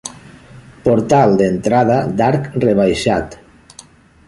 Portal d'entrada d'arc rebaixat.